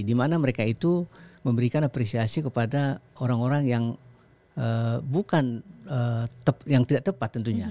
dimana mereka itu memberikan apresiasi kepada orang orang yang bukan yang tidak tepat tentunya